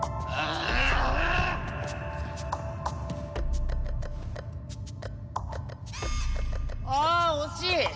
ああ惜しい！